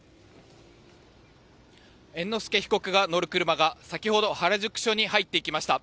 猿之助被告が乗る車が先ほど原宿署に入っていきました。